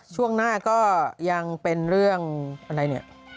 ช่วงหน้าก็ยังเป็นเรื่องอะไรเนี่ย